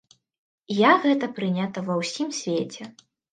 Як гэта прынята ва ўсім свеце.